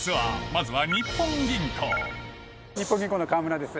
まずは日本銀行日本銀行の川村です